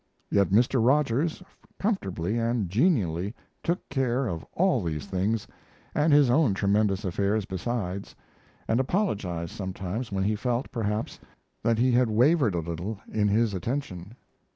Yet Mr. Rogers comfortably and genially took care of all these things and his own tremendous affairs besides, and apologized sometimes when he felt, perhaps, that he had wavered a little in his attention.